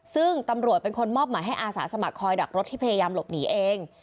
ซึ่งตำรวจเป็นคนมอบหมายให้อาสาสมัครคอยดักรถที่พยายามหลบหนีเอง